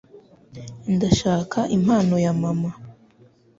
Ndashaka impano ya mama.